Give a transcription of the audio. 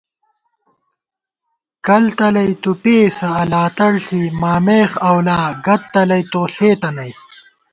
کل تلَئ تُو پېئیسہ الاتڑ ݪی مامېخ اَؤلا گد تلَئ تو ݪېتہ نئ